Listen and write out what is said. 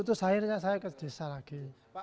terus akhirnya saya ke desa lagi